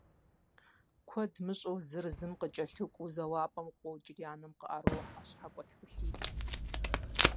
Куэд мыщӀэу зыр зым кӀэлъыкӀуэу зэуапӀэм къокӀри анэм къыӀэрохьэ щхьэкӀуэ тхылъитӀ.